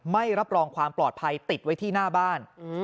ไม่รับรองความปลอดภัยติดไว้ที่หน้าบ้าน